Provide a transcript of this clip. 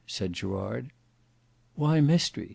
said Gerard. "Why mystery?"